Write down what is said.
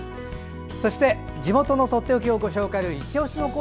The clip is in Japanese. そして地元のとっておきをご紹介する「いちオシ」。